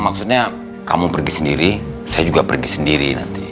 maksudnya kamu pergi sendiri saya juga pergi sendiri nanti